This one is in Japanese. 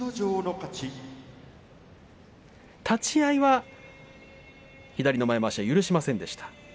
立ち合いは左の前まわし許しませんでした。